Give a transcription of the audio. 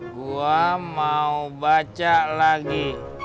gua mau baca lagi